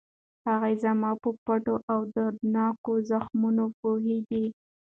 هغه زما په پټو او دردوونکو زخمونو پوهېږي.